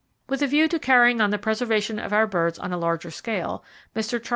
With a view to carrying on the preservation of our birds on a larger scale, Mr. Chas.